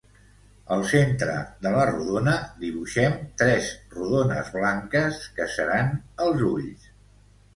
Al centre de la rodona dibuixem tres rodones blanques, que seran els ulls!